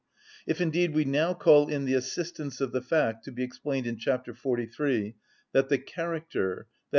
If, indeed, we now call in the assistance of the fact, to be explained in chapter 43, that the character, _i.